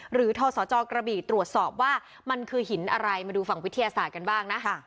ทศจกระบี่ตรวจสอบว่ามันคือหินอะไรมาดูฝั่งวิทยาศาสตร์กันบ้างนะ